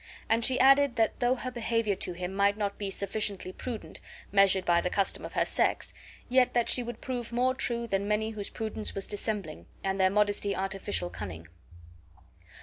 And she added, that though her behavior to him might not be sufficiently prudent, measured by the custom of her sex, yet that she would prove more true than many whose prudence was dissembling, and their modesty artificial cunning.